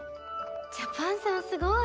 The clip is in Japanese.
ジャパンさんすごい！